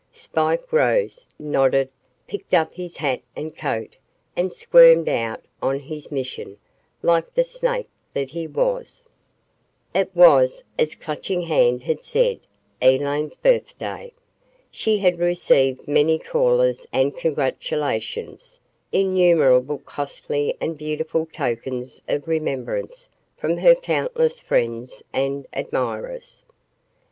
Spike rose, nodded, picked up his hat and coat and squirmed out on his mission, like the snake that he was. ........ It was, as Clutching Hand had said, Elaine's birthday. She had received many callers and congratulations, innumerable costly and beautiful tokens of remembrance from her countless friends and admirers.